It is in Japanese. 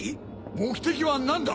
目的は何だ？